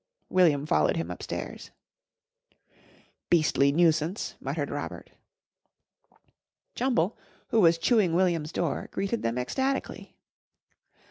William followed him upstairs. "Beastly nuisance!" muttered Robert. Jumble, who was chewing William's door, greeted them ecstatically.